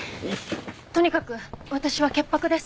とにかく私は潔白です。